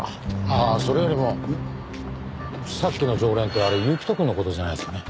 ああそれよりもさっきの常連ってあれ行人くんの事じゃないですかね？